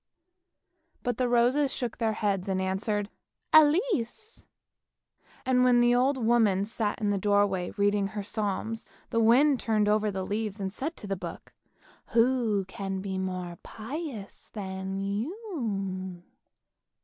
" But the roses shook their heads and answered, " Elise! " And when the old woman sat in the doorway reading her Psalms, the wind turned over the leaves and said to the book, " Who can be more pious than you?"